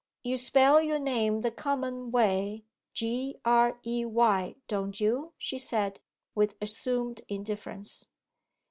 'You spell your name the common way, G, R, E, Y, don't you?' she said, with assumed indifference.